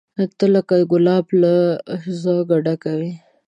ته لکه ګلاب له ځوزه ډکه وې